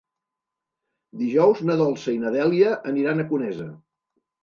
Dijous na Dolça i na Dèlia aniran a Conesa.